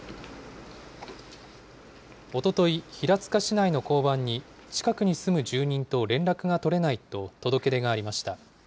おととい、平塚市内の交番に、近くに住む住人と連絡が取れないと届け出がありました。